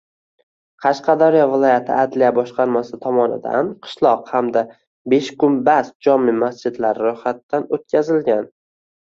Qashqadaryo viloyati Adliya boshqarmasi tomonidan Qishliq hamda Beshgumbaz jome masjidlari ro‘yxatdan o‘tkazilgan